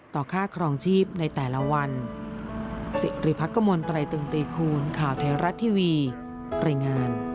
ค่าครองชีพในแต่ละวัน